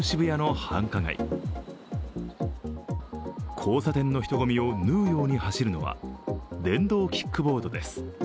交差点の人混みを縫うように走るのは電動キックボードです。